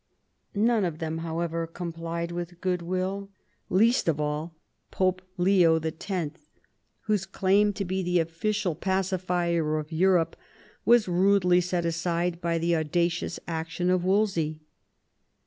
None of them, however, complied with goodwill, least of all Pope Leo X., whose claim to be the official E 50 THOMAS WOLSEY chap, hi pacifier of Europe was rudely set aside by the audacious action of Wolsey.